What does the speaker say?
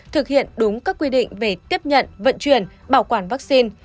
thực hiện đúng các quy định về tiếp nhận vận chuyển bảo quản vaccine